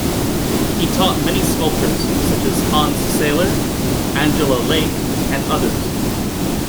He taught many sculptors, such as Hans Sailer, Angela Laich and others.